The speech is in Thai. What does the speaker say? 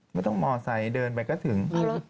ไม่ต้องมอไซค์เดินไปก็ถึง